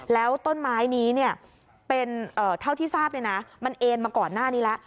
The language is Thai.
แล้วต้นไม้นี้เป็นเท่าที่ทราบมันเอ็นมาก่อนหน้านี้แล้ว